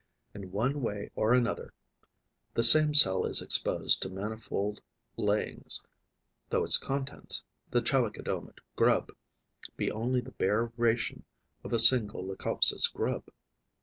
In one way or another, the same cell is exposed to manifold layings, though its contents, the Chalicodoma grub, be only the bare ration of a single Leucopsis grub.